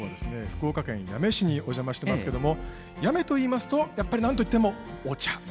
福岡県八女市にお邪魔してますけども八女といいますとやっぱりなんといってもお茶。